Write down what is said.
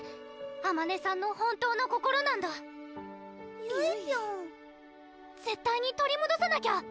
あまねさんの本当の心なんだゆいゆいぴょん絶対に取りもどさなきゃ！